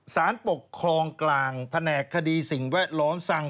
สารปกครองกลางแผนกคดีสิ่งแวดล้อมสั่ง